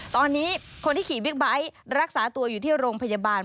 ตอนนี้คนที่ขี่บิ๊กไบท์รักษาตัวอยู่ที่โรงพยาบาล